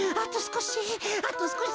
あとすこし。